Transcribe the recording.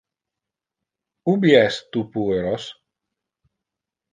Ubi es tu pueros?